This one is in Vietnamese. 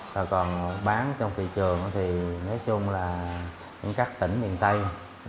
và còn bán trong thị trường thì nói chung là các tỉnh miền tây